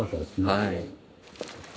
はい。